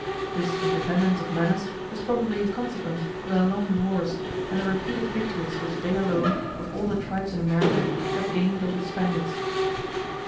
This independence of manners is probably a consequence of their long wars, and the repeated victories which they alone, of all the tribes in America, have gained over the Spaniards.